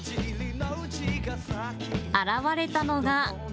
現れたのが。